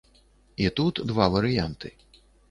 І тут два варыянты.